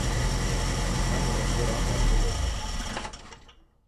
Simanyire ngera wabwaghilo ni kii.